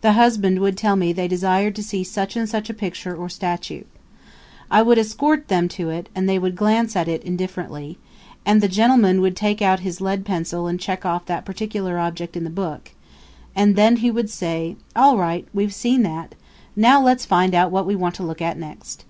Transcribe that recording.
The husband would tell me they desired to see such and such a picture or statue. I would escort them to it and they would glance at it indifferently, and the gentleman would take out his lead pencil and check off that particular object in the book; and then he would say: 'All right we've seen that; now let's find out what we want to look at next.'